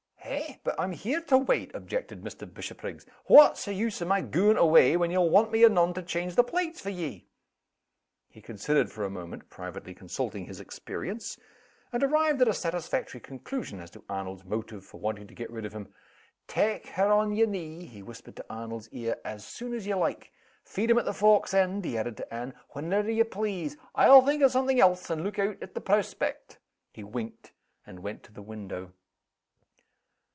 "Eh! but I'm here to wait," objected Mr. Bishopriggs. "What's the use o' my gaun' away, when ye'll want me anon to change the plates for ye?" He considered for a moment (privately consulting his experience) and arrived at a satisfactory conclusion as to Arnold's motive for wanting to get rid of him. "Tak' her on yer knee," he whispered in Arnold's ear, "as soon as ye like! Feed him at the fork's end," he added to Anne, "whenever ye please! I'll think of something else, and look out at the proaspect." He winked and went to the window.